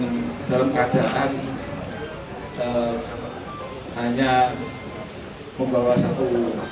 dan dalam keadaan hanya membawa satu